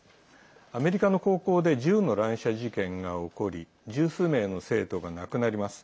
アメリカの高校で銃の乱射事件が起こり十数名の生徒が亡くなります。